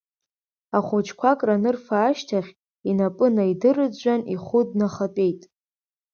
Ахәыҷқәа акранырфа ашьҭахь, инапы наидырӡәӡәан ихәы днахатәеит.